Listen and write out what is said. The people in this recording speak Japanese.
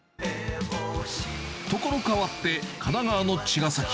所変わって神奈川の茅ヶ崎。